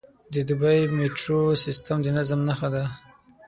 د دوبی میټرو سیستم د نظم نښه ده.